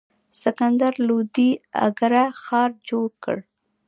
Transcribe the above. سکندر لودي اګره ښار جوړ کړ.